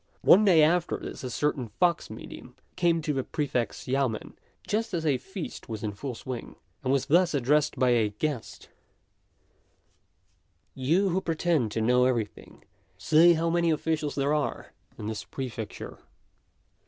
] One day after this a certain fox medium came to the Prefect's yamên just as a feast was in full swing, and was thus addressed by a guest: "You who pretend to know everything, say how many officials there are in this Prefecture."